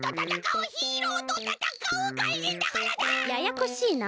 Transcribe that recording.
ややこしいな。